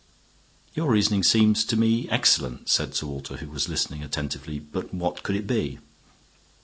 "Your reasoning seems to me excellent," said Sir Walter, who was listening attentively. "But what could it be?"